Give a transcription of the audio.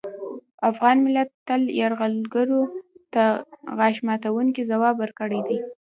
افغان ملت تل یرغلګرو ته غاښ ماتوونکی ځواب ورکړی دی